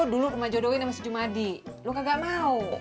dulu rumah jodohin sama si jumadi lo kagak mau